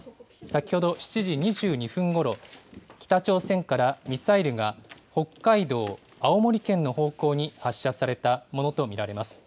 先ほど、７時２２分ごろ、北朝鮮からミサイルが北海道、青森県の方向に発射されたものと見られます。